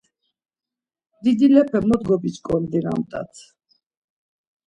Didilepe mot gobiç̌kondinamt̆at!